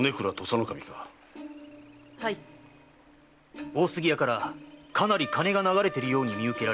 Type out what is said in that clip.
大杉屋からかなり金が流れているように見受けられます。